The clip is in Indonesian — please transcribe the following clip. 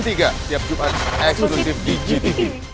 siap jumpa eksklusif di gtv